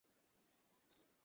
হ্যাঁ, আমি সেটা মানব না।